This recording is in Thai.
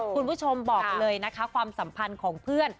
คุณผู้ชมบอกเลยนะคะความสัมพันธ์ของเพื่อน